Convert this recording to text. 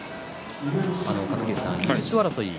鶴竜さん、優勝争い